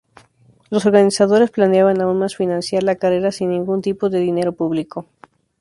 Los organizadores planeaban aún más financiar la carrera sin ningún tipo de dinero público.